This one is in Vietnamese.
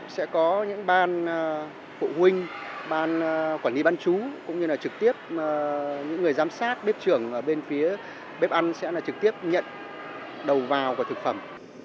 sẽ có những ban phụ huynh ban quản lý bán chú cũng như là trực tiếp những người giám sát bếp trưởng bên phía bếp ăn sẽ trực tiếp nhận đầu vào của thực phẩm